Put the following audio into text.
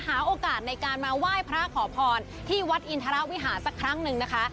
หาโอกาสในการมาไหว้พระขอพรที่วัดอินทรวิหารสักครั้งหนึ่งนะคะ